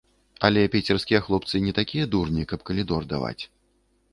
Але піцерскія хлопцы не такія дурні, каб калідор даваць.